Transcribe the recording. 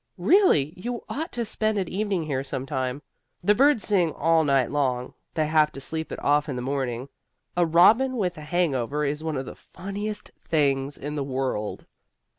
Really, you ought to spend an evening here some time. The birds sing all night long: they have to sleep it off in the morning. A robin with a hang over is one of the funniest things in the world."